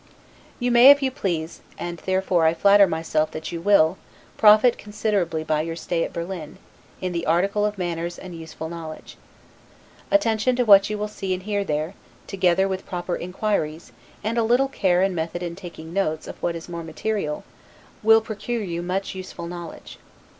You may if you please, and therefore I flatter myself that you will, profit considerably by your stay at Berlin, in the article of manners and useful knowledge. Attention to what you will see and hear there, together with proper inquiries, and a little care and method in taking notes of what is more material, will procure you much useful knowledge.